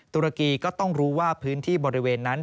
ตุรกีก็ต้องรู้ว่าพื้นที่บริเวณนั้น